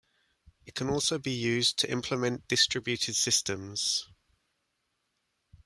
It can also be used to implement distributed systems.